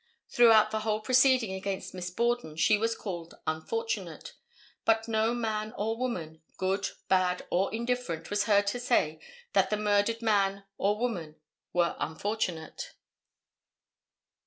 Throughout the whole proceeding against Miss Borden she was called "unfortunate," but no man or woman, good, bad, or indifferent was heard to say that the murdered man and woman were "unfortunate."